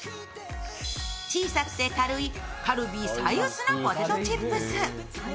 小さくて軽いカルビー最薄のポテトチップス。